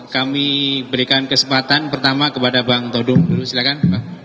kami berikan kesempatan pertama kepada bang todung dulu silakan